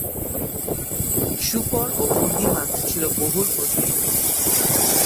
শূকর ও মুরগির মাংস ছিল বহুল প্রচলিত।